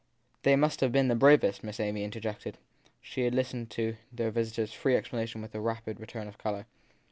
They must have been the bravest ! Miss Amy interjected. She had listened to their visitor s free explanation with a rapid return of colour.